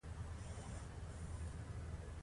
دوی ادعا کوي چې ستاسو له هېواد سره مرسته کوو